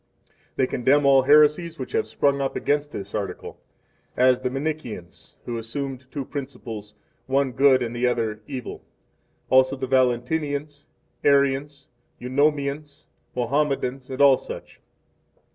5 They condemn all heresies which have sprung up against this article, as the Manichaeans, who assumed two principles, one Good and the other Evil: also the Valentinians, Arians, Eunomians, Mohammedans, and all such.